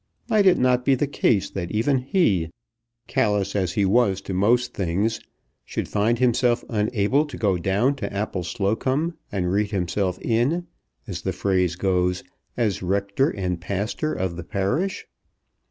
Might it not be the case that even he, callous as he was to most things, should find himself unable to go down to Appleslocombe and read himself in, as the phrase goes, as rector and pastor of the parish?